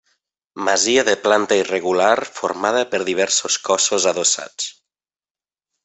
Masia de planta irregular formada per diversos cossos adossats.